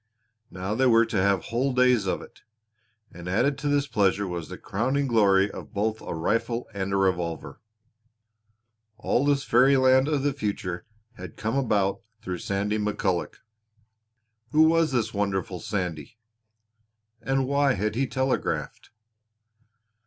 Now they were to have whole days of it. And added to this pleasure was the crowning glory of both a rifle and a revolver! All this fairy land of the future had come about through Sandy McCulloch! Who was this wonderful Sandy? And why had he telegraphed?